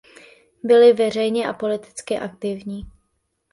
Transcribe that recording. Byl i veřejně a politický aktivní.